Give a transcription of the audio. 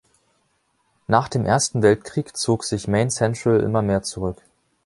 Nach dem ersten Weltkrieg zog sich Maine Central immer mehr zurück.